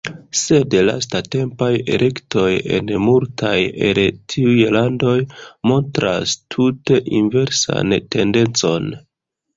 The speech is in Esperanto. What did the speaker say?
Sed lastatempaj elektoj en multaj el tiuj landoj montras tute inversan tendencon.